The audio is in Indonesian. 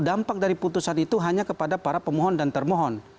dampak dari putusan itu hanya kepada para pemohon dan termohon